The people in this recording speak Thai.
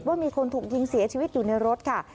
ว่ามีคนถูกยิงเสียชีวิตอยู่ในรถค่ะ